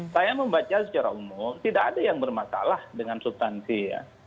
saya membaca secara umum tidak ada yang bermasalah dengan subtansi ya